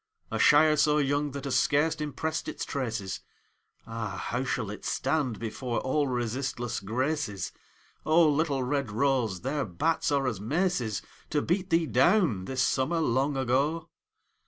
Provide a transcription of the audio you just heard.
A Shire so young that has scarce impressed its traces, Ah, how shall it stand before all resistless Graces ? O, little red rose, their bats are as maces To beat thee down, this summer long ago